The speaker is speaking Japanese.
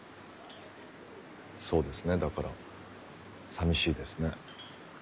そうですねだから寂しいですね。